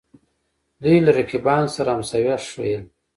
دوی له رقیبانو سره همسویه ښييل